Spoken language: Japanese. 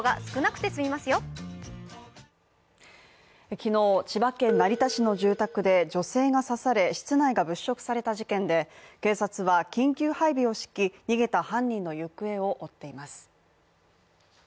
昨日は千葉県成田市の住宅で女性が刺され室内が物色された事件で警察は緊急配備を敷き、逃げた犯人の行方を追っています。